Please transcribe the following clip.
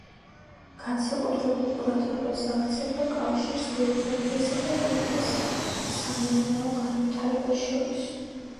განსაკუთრებულ ყურადღებას აქცევდა კავშირს გეოგრაფიასა და ქვეყნის სამეურნეო განვითარებას შორის.